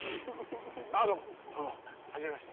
あっどうもはじめまして。